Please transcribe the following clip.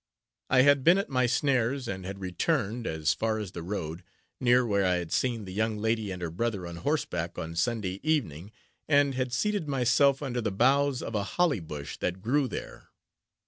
I had been at my snares, and had returned, as far as the road, near where I had seen the young lady and her brother on horseback on Sunday evening, and had seated myself under the boughs of a holly bush that grew there.